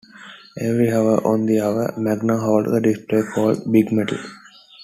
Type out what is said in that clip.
Every hour, on the hour, Magna holds a display called "The Big Melt".